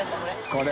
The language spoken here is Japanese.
これ。